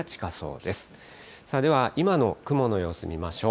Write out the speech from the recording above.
では今の雲の様子見ましょう。